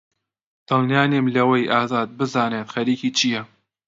دڵنیا نیم لەوەی ئازاد بزانێت خەریکی چییە.